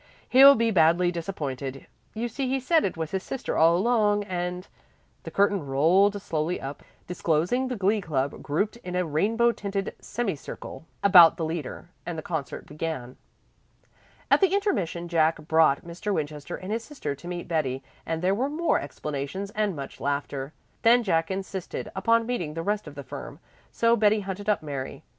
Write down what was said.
He'll be badly disappointed. You see, he said it was his sister all along, and " The curtain rolled slowly up, disclosing the Glee Club grouped in a rainbow tinted semicircle about the leader, and the concert began. At the intermission Jack brought Mr. Winchester and his sister to meet Betty, and there were more explanations and much laughter. Then Jack insisted upon meeting the rest of the firm, so Betty hunted up Mary.